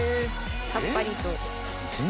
さっぱりと。